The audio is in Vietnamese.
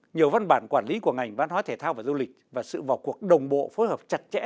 nhiều văn bản quản lý của ngành văn hóa thể thao và du lịch và sự vào cuộc đồng bộ phối hợp chặt chẽ